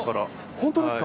本当ですか。